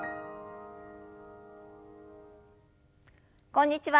こんにちは。